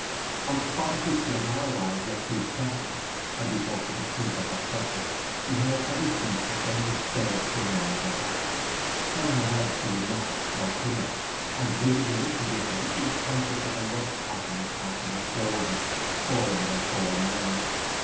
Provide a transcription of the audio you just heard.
On the spot at which she had now arrived were two trestles, and before she could think of their purpose she heard heavy feet descending stairs somewhere at her back. Turn her head she would not, or could not, and, rigid in this position, she was conscious of a rough coffin passing her shoulder, borne by four men.